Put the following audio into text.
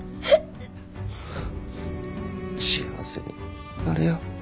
幸せになれよ。